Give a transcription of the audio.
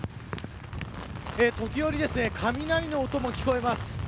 時折、雷の音も聞こえます。